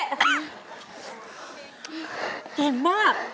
เจ๋งมาก